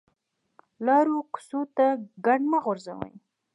لارو کوڅو ته ګند مه غورځوئ